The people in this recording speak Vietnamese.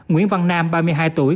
nguyễn văn nam ba mươi hai tuổi